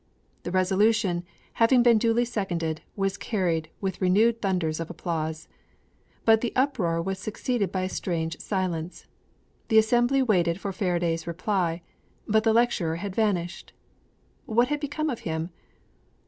The resolution, having been duly seconded, was carried with renewed thunders of applause. But the uproar was succeeded by a strange silence. The assembly waited for Faraday's reply; but the lecturer had vanished! What had become of him?